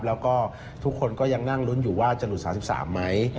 แล้วก็ทุกคนก็ยังนั่งลุ้นอยู่ว่าจะหลุด๓๓ไหม